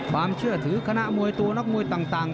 ความเชื่อถือคณะมวยตัวนักมวยต่าง